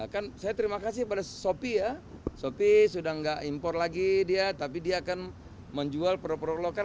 kan saya terima kasih pada shopee ya shopee sudah nggak impor lagi dia tapi dia akan menjual perlok perlokan